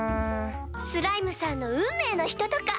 スライムさんの運命の人とか！